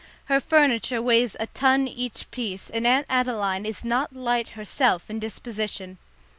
Her furniture weighs a ton each piece, and Aunt Adeline is not light herself in disposition.